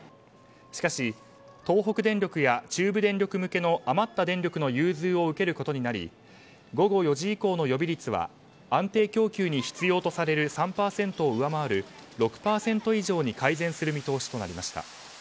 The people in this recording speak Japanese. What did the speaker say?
しかし、東北電力や中部電力向けの余った電力の融通を受けることになり午後４時以降の予備率は安定供給に必要とされる３％を上回る６％以上に改善する見通しとなりました。